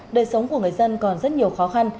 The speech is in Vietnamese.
đời sống của người dân còn rất nhiều khó khăn